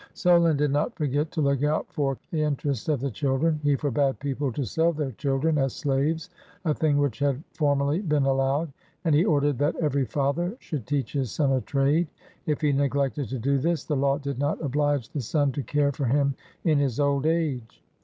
Solon did not forget to look out for the interests of the children. He forbade people to sell their children as slaves, a thing which had formerly been allowed; and he ordered that every father should teach his son a trade. If he neglected to do this, the law did not obUge the son to care for him in his old age.